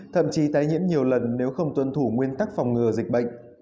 thậm chí tái nhiễm nhiều lần nếu không tuân thủ nguyên tắc phòng ngừa dịch bệnh